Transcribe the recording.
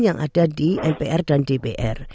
yang ada di mpr dan dpr